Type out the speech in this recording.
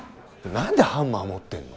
何でハンマー持ってんの？